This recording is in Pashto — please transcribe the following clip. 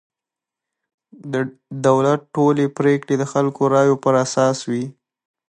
د دولت ټولې پرېکړې د خلکو رایو پر اساس وي.